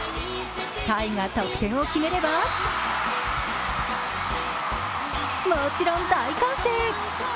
タイが得点を決めればもちろん大歓声。